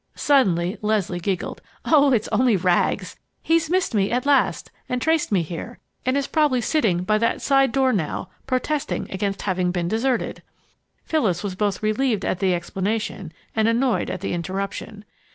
Suddenly Leslie giggled. "Oh, it's only Rags! He's missed me at last, traced me here, and is probably sitting by that side door now, protesting against having been deserted!" Phyllis was both relieved at the explanation and annoyed at the interruption.